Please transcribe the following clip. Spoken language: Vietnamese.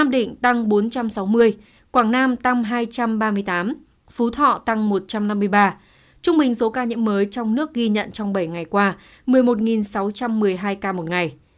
đắk lắc giảm hai trăm ba mươi tám ca phú thọ tăng một trăm năm mươi ba ca trung bình số ca nhiễm mới trong nước ghi nhận trong bảy ngày qua một mươi một sáu trăm một mươi hai ca một ngày